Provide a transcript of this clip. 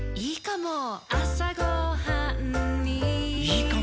いいかも！